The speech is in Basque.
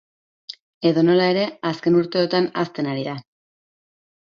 Edonola ere, azken urteotan hazten ari da.